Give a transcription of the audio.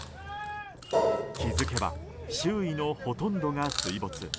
気づけば周囲のほとんどが水没。